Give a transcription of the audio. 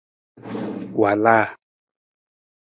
Waalaa.